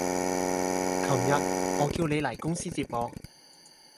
琴日我叫你嚟公司接我